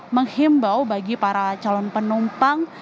menghimbau bagi para calon penumpang